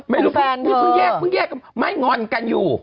ไม่รู้เพิ่งแยกไม่งอนกันอยู่